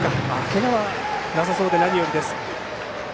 けがはなさそうで何よりです。